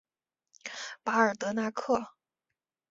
巴尔德纳克。